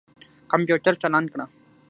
کمپیوټر چالان کړه.